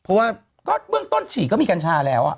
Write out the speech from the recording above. เพราะว่า๑๙๕๙ก็มีกัณฑาแหลว